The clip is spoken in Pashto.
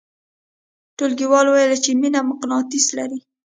ټولګیوالو ویل چې مینه مقناطیس لري